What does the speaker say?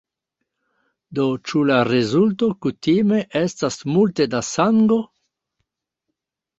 Do ĉu la rezulto kutime estas multe da sango?